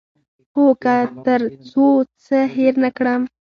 هو، که تر څو څه هیر نه کړم